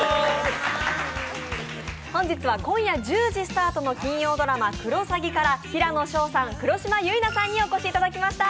本日は今夜１０時スタートの金曜ドラマ「クロサギ」から平野紫耀さん、黒島結菜さんにお越しいただきました。